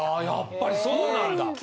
やっぱりそうなんだ。